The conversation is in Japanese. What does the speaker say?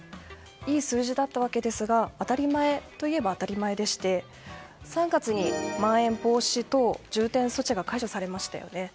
いい数字だったわけですが当たり前といえば当たり前でして、３月にまん延防止等重点措置が解除されましたよね。